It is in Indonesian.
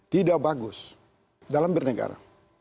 tidak bagus dalam bernegara